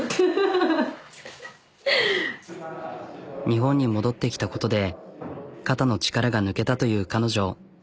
日本に戻ってきたことで肩の力が抜けたという彼女。